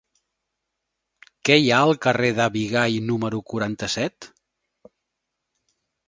Què hi ha al carrer de Bigai número quaranta-set?